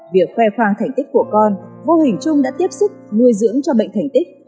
việc khoe khoang thành tích của con vô hình chung đã tiếp xúc nuôi dưỡng cho bệnh thành tích